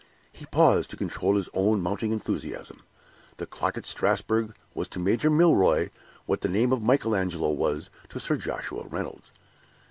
He paused, to control his own mounting enthusiasm; the clock at Strasbourg was to Major Milroy what the name of Michael Angelo was to Sir Joshua Reynolds.